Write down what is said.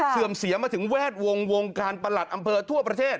เสื่อมเสียมาถึงแวดวงวงการประหลัดอำเภอทั่วประเทศ